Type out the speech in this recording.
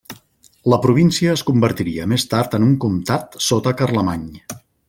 La província es convertiria més tard en un comtat sota Carlemany.